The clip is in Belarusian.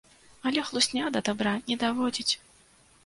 Але хлусня да дабра не даводзіць.